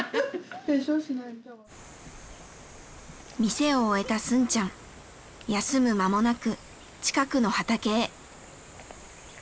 店を終えたスンちゃん休む間もなく近くの畑へ。